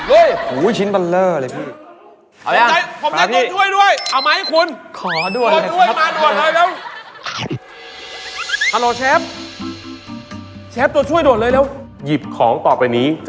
โอ้โหชิ้นมันเร้อเลยพี่